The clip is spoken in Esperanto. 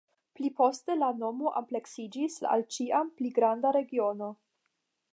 Pli poste la nomo ampleksiĝis al ĉiam pli granda regiono.